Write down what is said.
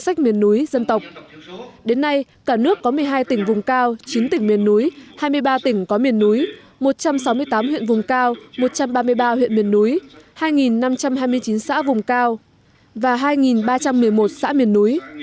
sách miền núi dân tộc đến nay cả nước có một mươi hai tỉnh vùng cao chín tỉnh miền núi hai mươi ba tỉnh có miền núi một trăm sáu mươi tám huyện vùng cao một trăm ba mươi ba huyện miền núi hai năm trăm hai mươi chín xã vùng cao và hai ba trăm một mươi một xã miền núi